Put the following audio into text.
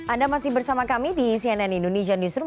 anda masih bersama kami di cnn indonesia newsroom